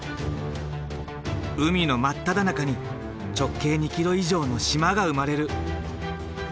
海の真っただ中に直径２ｋｍ以上の島が生まれる。